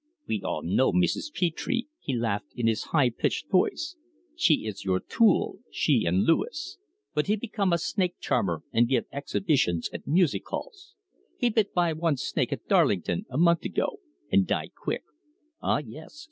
"We all know Mrs. Petre," he laughed in his high pitched voice; "she is your tool she and Luis. But he become a snake charmer and give exhibitions at music halls. He bit by one snake at Darlington, a month ago, and die quick. Ah, yes!